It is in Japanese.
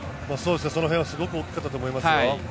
すごく大きかったと思いますよ。